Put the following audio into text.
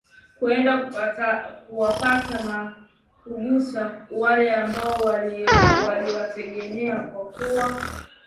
kuenda kuwapata na kugusa wale ambao waliwatendea kwa kuwa